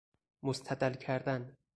مستدل کردن